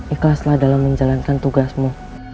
ikhlaslah dalam menjalankan tugasmu